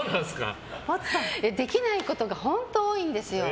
できないことが本当多いんですよ。